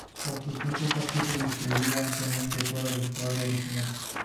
Por sus usos ha sido distribuida ampliamente fuera de su área original.